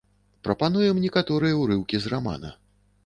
Прапануем некаторыя ўрыўкі з рамана.